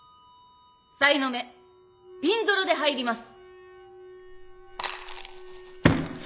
サイの目ピンゾロで入ります。